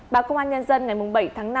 bà công an nhân dân ngày bảy tháng năm